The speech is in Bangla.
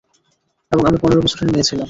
এবং, আমি পনেরো বছরের মেয়ে ছিলাম।